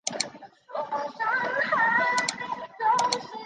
硅镁层是地球化学中指富含镁的硅酸盐矿物组成的地壳。